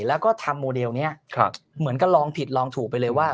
แล้วก็ทำโมเดลนี้เหมือนก็ลองผิดลองถูกไปเลยว่า